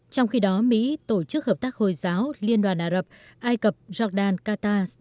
trong khi đó mỹ tổ chức hợp tác hồi giáo liên đoàn ả rập ai cập jordan qatar